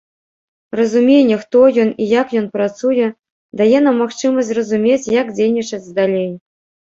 Разуменне, хто ён і як ён працуе, дае нам магчымасць зразумець, як дзейнічаць далей.